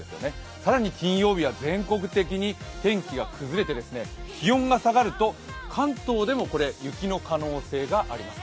更に金曜日は全国的に天気が崩れて気温が下がると関東でも雪の可能性があります。